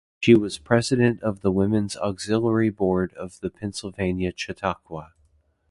She was President of the women's auxiliary board of the Pennsylvania Chautauqua.